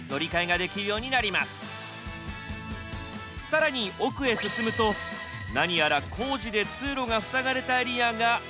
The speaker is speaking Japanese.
更に奥へ進むと何やら工事で通路が塞がれたエリアが。